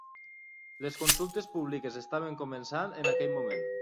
Les consultes públiques estaven començant en aquell moment.